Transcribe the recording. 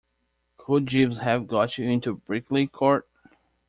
Could Jeeves have got you into Brinkley Court?